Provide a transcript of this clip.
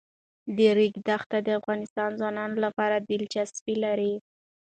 د ریګ دښتې د افغان ځوانانو لپاره دلچسپي لري.